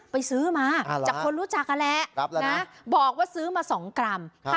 ไปซื้อมาอ่าล่ะจากคนรู้จักอ่ะแหละรับแล้วนะบอกว่าซื้อมาสองกรัมครับ